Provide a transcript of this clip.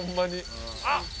あっ！